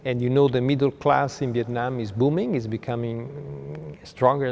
nhưng hãy nghĩ về những vấn đề quan trọng